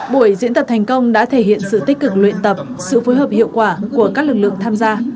buổi diễn tập thành công đã thể hiện sự tích cực luyện tập sự phối hợp hiệu quả của các lực lượng tham gia